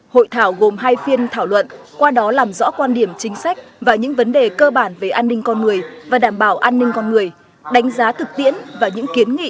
hội thảo gồm hai phiên thảo luận qua đó làm rõ quan điểm chính sách và những vấn đề cơ bản về an ninh con người và đảm bảo an ninh con người đánh giá thực tiễn và những kiến nghị